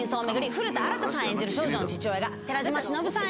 古田新太さんが演じる少女の父親が寺島しのぶさん